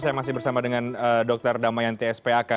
saya masih bersama dengan dokter damayan tsp aka